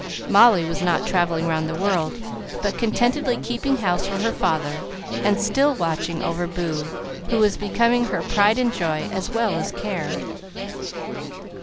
Molly was not travelling round the world, but contentedly keeping house for her father and still watching over Boo, who was becoming her pride and joy as well as care.